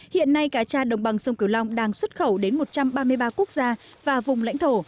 hiện nay cá tra đồng bằng sông kiều long đang xuất khẩu đến một trăm ba mươi ba quốc gia và vùng lãnh thổ